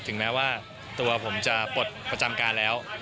ถึงแม้ว่าตัวผมจะปลดประจำการแล้ว